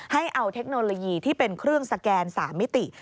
ให้เอาเทคโนโลยีที่เป็นเครื่องสแกน๓มิติ